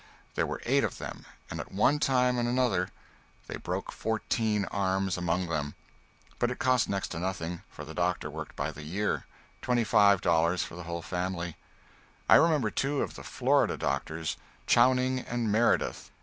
There were eight of them, and at one time and another they broke fourteen arms among them. But it cost next to nothing, for the doctor worked by the year $25 for the whole family. I remember two of the Florida doctors, Chowning and Meredith.